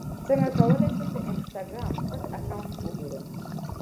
څنګه کولی شم د انسټاګرام پټ اکاونټ وګورم